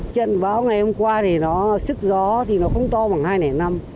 trận bão ngày hôm qua thì nó sức gió thì nó không to bằng hai nẻ năm